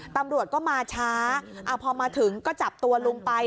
ตำรวจก็มาช้าพอมาถึงก็จับตัวลุงไป